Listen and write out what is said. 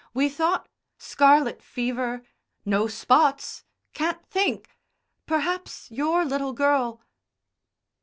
We thought scarlet fever no spots can't think perhaps your little girl."